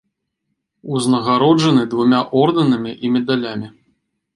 Узнагароджаны двума ордэнамі і медалямі.